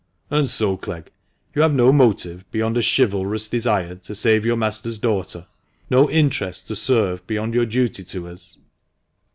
"And so, Clegg, you have no motive beyond a chivalrous desire to save your master's daughter, no interest to serve beyond your duty to us?"